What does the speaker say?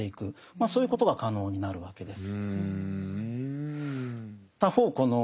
そういうことが可能になるわけです。